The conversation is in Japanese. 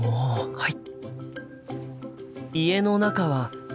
はい！